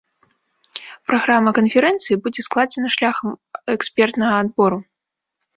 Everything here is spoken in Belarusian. Праграма канферэнцыі будзе складзена шляхам экспертнага адбору.